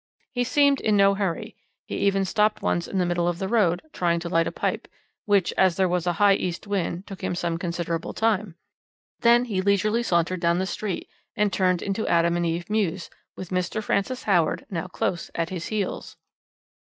He seemed in no hurry, he oven stopped once in the middle of the road, trying to light a pipe, which, as there was a high east wind, took him some considerable time. Then he leisurely sauntered down the street, and turned into Adam and Eve Mews, with Mr. Francis Howard now close at his heels.